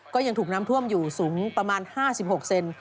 ก็ยังถูกน้ำท่วมอยู่สูงประมาณ๕๖เซน